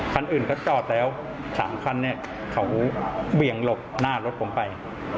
คันอื่นเขาจอดแล้ว๓คันเนี่ยเขาเบี่ยงหลบหน้ารถผมไป